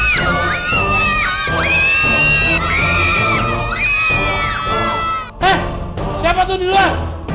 hei siapa tuh di luar